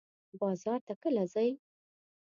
بازار ته کله ځئ؟